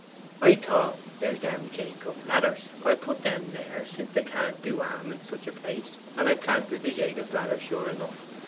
I thought, "There's them Jacob's ladders; I'll put them there, since they can't do harm in such a place;" and I planted the Jacob's ladders sure enough.